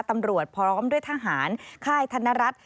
ตำรวจพร้อมด้วยทหารค่ายธนรัฐ